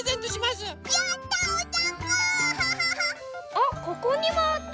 あっここにもあった！